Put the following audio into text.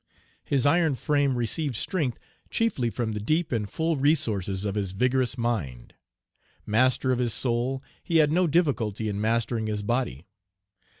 His iron frame received strength chiefly from the deep and full resources of his vigorous mind. Master of his soul, he had no difficulty in mastering his body.